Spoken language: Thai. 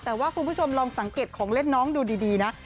แต่ว่าคุณผู้ชมลองสังเกตของเล่นน้องดูดีนะ